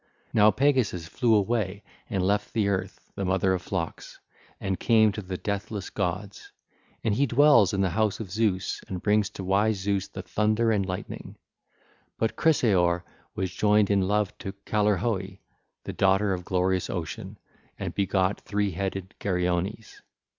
Now Pegasus flew away and left the earth, the mother of flocks, and came to the deathless gods: and he dwells in the house of Zeus and brings to wise Zeus the thunder and lightning. But Chrysaor was joined in love to Callirrhoe, the daughter of glorious Ocean, and begot three headed Geryones.